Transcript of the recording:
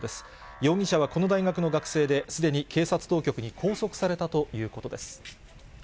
容疑者はこの大学の学生で、すでに警察当局に拘束されたということです。